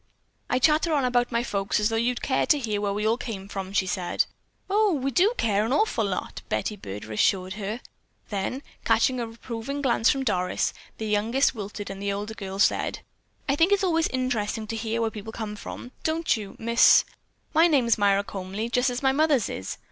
"I chatter on about my folks as though you'd care to hear where we all came from," she said. "O, we do care an awful lot," Betty Byrd assured her, then, catching a reproving glance from Doris, their youngest wilted and the older girl said: "I think it's always interesting to hear where people came from, don't you, Miss——" "My name is Myra Comely, just as my mother's is."